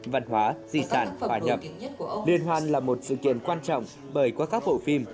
văn hóa di sản hòa nhập liên hoan là một sự kiện quan trọng bởi qua các bộ phim